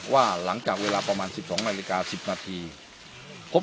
ว่าหลังจากเวลาประมาณสิบกี่นาทีสหายอยู่สมบัติเพียงเกี่ยวของผม